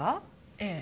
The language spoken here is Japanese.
ええ。